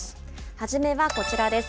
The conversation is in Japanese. はじめはこちらです。